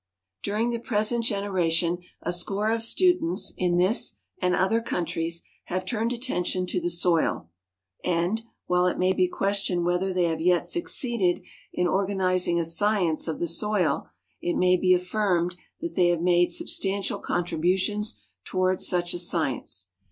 During the present generation a score of students in this and other countries have turned attention to the soil ; and, while it may be ques tioned whether they have yet succeeded in organizing a science of the soil, it may be affirmed that they have made substantial contributions toward such a science.